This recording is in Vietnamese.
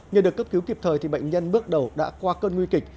nhờ được cấp cứu kịp thời thì bệnh nhân bước đầu đã qua cơn nguy kịch